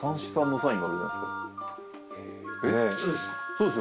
そうです。